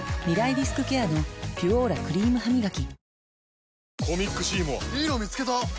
リスクケアの「ピュオーラ」クリームハミガキ